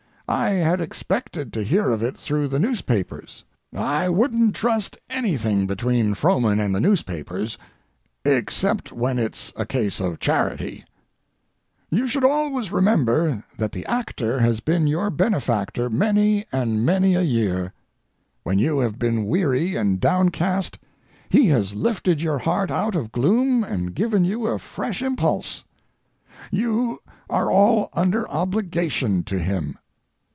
I had expected to hear of it through the newspapers. I wouldn't trust anything between Frohman and the newspapers—except when it's a case of charity! You should all remember that the actor has been your benefactor many and many a year. When you have been weary and downcast he has lifted your heart out of gloom and given you a fresh impulse. You are all under obligation to him.